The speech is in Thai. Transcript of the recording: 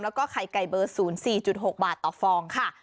แล้วก็ไข่ไก่เบอร์๐๔๖บาทต่อฟองค่ะ